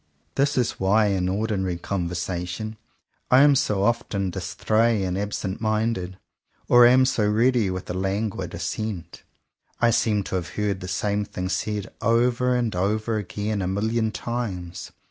This is why in ordinary conversation I am so often distrait and absent minded, or am so ready with a languid assent. I seem to have heard the same thing said over and over again a million times.